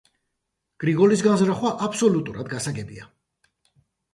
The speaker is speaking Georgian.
გრიგოლის განზრახვა აბსოლუტურად გასაგებია.